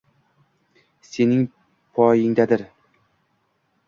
Sening poyingdadir